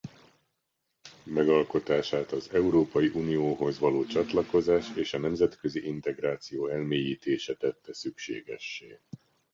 Megalkotását az Európai Unióhoz való csatlakozás és a nemzetközi integráció elmélyítése tette szükségessé.